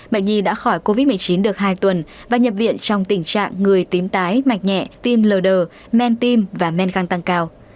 bệnh nhi đã khỏi covid một mươi chín được hai tuần và nhập viện trong tình trạng người tím tái mạch nhẹ tim lờ đờ men tim và men gan tăng cao